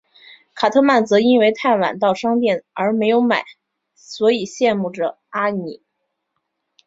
卡特曼则因为太晚到商店而没买所以羡慕着阿尼。